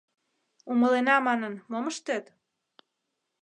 Умылена манын, мом ыштет?